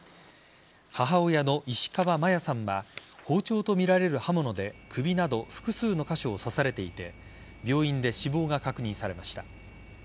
母親の石川真矢さんは包丁とみられる刃物で首など複数の箇所を刺されていて病院で死亡が確認されました。